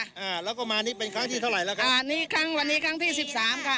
อ่าแล้วก็มานี่เป็นครั้งที่เท่าไหร่แล้วครับอ่านี่ครั้งวันนี้ครั้งที่สิบสามค่ะ